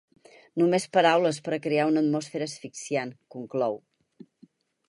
Només paraules per a crear una atmosfera asfixiant, conclou.